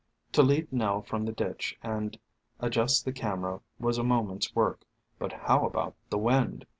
To lead Nell from the ditch and adjust the camera was a moment's work, but how about the wind?